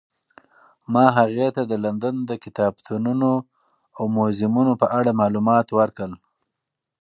ما هغې ته د لندن د کتابتونونو او موزیمونو په اړه معلومات ورکړل.